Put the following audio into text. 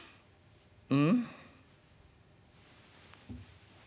うん？」。